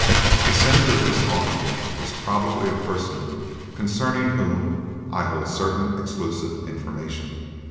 The sender of this offering is probably a person concerning whom I hold certain exclusive information.